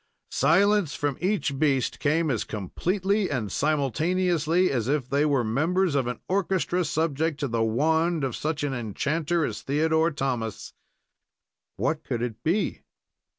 Silence from each beast came as completely and simultaneously as if they were members of an orchestra subject to the wand of such an enchanter as Theodore Thomas. What could it be?